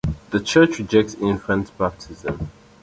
The church rejects infant baptism.